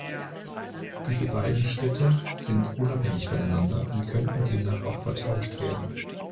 Diese beiden Schritte sind unabhängig voneinander und könnten demnach auch vertauscht werden.